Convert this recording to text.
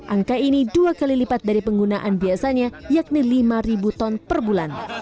angka ini dua kali lipat dari penggunaan biasanya yakni lima ton per bulan